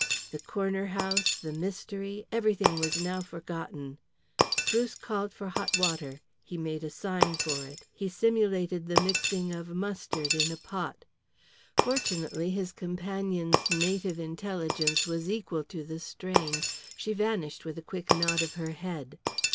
The corner house, the mystery everything was now forgotten. Bruce called for hot water, he made a sign for it, he simulated the mixing of mustard in a pot. Fortunately his companion's native intelligence was equal to the strain. She vanished with a quick nod of her head.